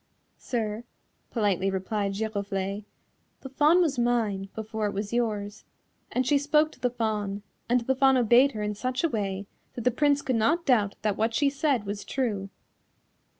"Sir," politely replied Giroflée, "the Fawn was mine before it was yours," and she spoke to the Fawn, and the Fawn obeyed her in such a way that the Prince could not doubt that what she said was true.